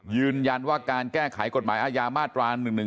ยืนยันว่าการแก้ไขกฎหมายอาญามาตรา๑๑๒